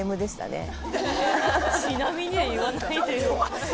ちなみにで言わないでよ。